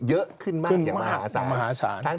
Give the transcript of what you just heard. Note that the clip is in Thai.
เยอะขึ้นมากขึ้นอย่างมหาศาล